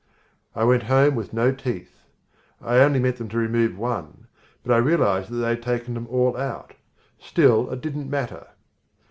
I went home with no teeth. I only meant them to remove one, but I realized that they had taken them all out. Still it didn't matter.